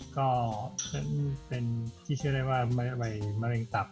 ก็เป็นใจเชื่อได้ว่าไวมารนิมัลตับ